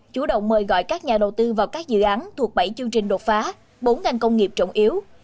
chủ động mời gọi các nhà đầu tư vào các dự án thuộc bảy chương trình đột phá bốn ngành công nghiệp trọng yếu